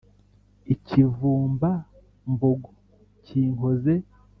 ikivumba-mbogo kinkoze